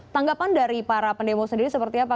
tanggapan dari para pendemo sendiri seperti apa